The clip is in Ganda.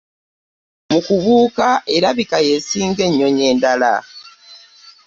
Mu kubuuka erabika y'esinga ennyonyi endala.